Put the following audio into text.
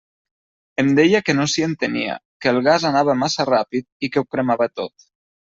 Em deia que no s'hi entenia, que el gas anava massa ràpid i que ho cremava tot.